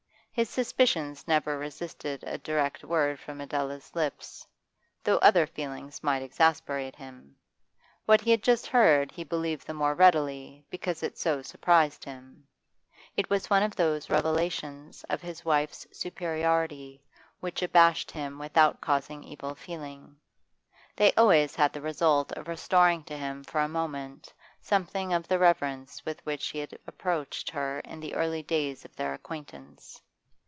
His suspicions never resisted a direct word from Adela's lips, though other feelings might exasperate him. What he had just heard he believed the more readily because it so surprised him; it was one of those revelations of his wife's superiority which abashed him without causing evil feeling. They always had the result of restoring to him for a moment something of the reverence with which he had approached her in the early days of their acquaintance.